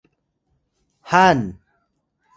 Yuraw: han